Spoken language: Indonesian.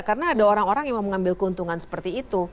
karena ada orang orang yang mau mengambil keuntungan seperti itu